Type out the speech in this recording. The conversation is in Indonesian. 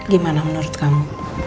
gimana menurut kamu